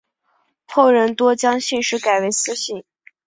后人多将姓氏改为司姓。